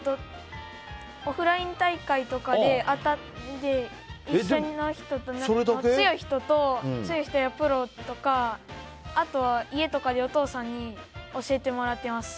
オフライン大会とかで当たって強い人やプロとかあとは、家とかでお父さんに教えてもらってます。